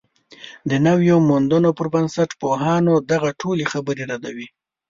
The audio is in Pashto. د نویو موندنو پر بنسټ، پوهان دغه ټولې خبرې ردوي